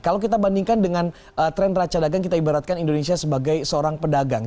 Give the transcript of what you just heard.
kalau kita bandingkan dengan tren raca dagang kita ibaratkan indonesia sebagai seorang pedagang